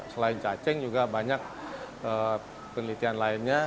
selain cacing juga banyak penelitian lainnya